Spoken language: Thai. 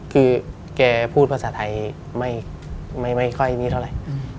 คือแกพูดภาษาไทยไม่ค่อยมีเท่าไหร่